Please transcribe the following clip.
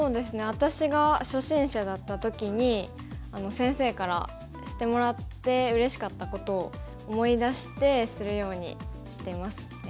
私が初心者だった時に先生からしてもらってうれしかったことを思い出してするようにしてますね。